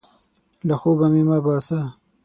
له خوبه مې مه باسه!